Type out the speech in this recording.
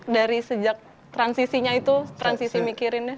dari sejak transisinya itu transisi mikirinnya